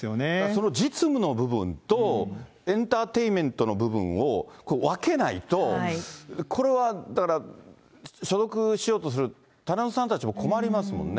その実務の部分と、エンターテイメントの部分を分けないと、これはだから、所属しようとするタレントさんたちも困りますよね。